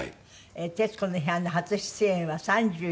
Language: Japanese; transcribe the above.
『徹子の部屋』の初出演は３４年前。